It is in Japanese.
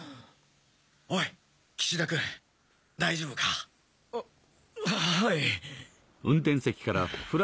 おい岸田君大丈夫か？ははい。